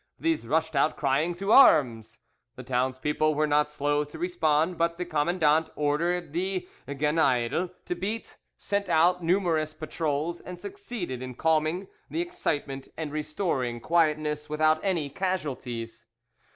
These rushed out, crying, 'To arms!' The townspeople were not slow to respond, but the commandant ordered the 'geneydle' to beat, sent out numerous patrols, and succeeded in calming the excitement and restoring quietness without any casualties.